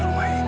aku mau pulang